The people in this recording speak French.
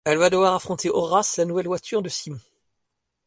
Elle va devoir affronter Horace, la nouvelle voiture de Simon...